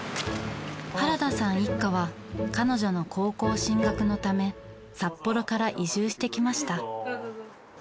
原田さん一家は彼女の高校進学のため札幌から移住してきました。